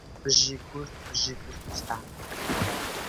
بژی کورد بژی کوردستان